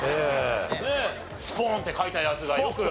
スポーンって書いたヤツがよく。